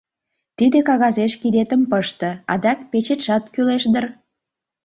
Тиде кагазеш кидетым пыште, адак печетшат кӱлеш дыр...